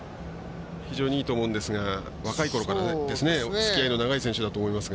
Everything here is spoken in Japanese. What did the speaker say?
非常にいいと思うんですが若いころからおつきあいの長い選手だと思いますが。